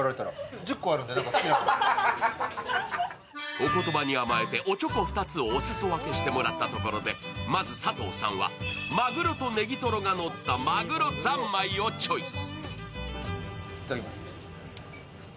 お言葉に甘えて、おちょこ２つをお裾分けしてもらったところでまず佐藤さんは、まぐろとネギトロがのったまぐろ三昧をチョイス。